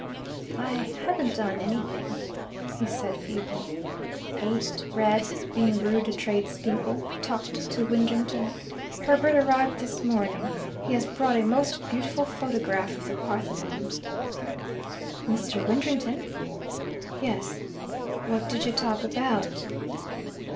"I haven't done anything," he said feebly. "Ate, read, been rude to tradespeople, talked to Widdrington. Herbert arrived this morning. He has brought a most beautiful photograph of the Parthenon." "Mr. Widdrington?" "Yes." "What did you talk about?"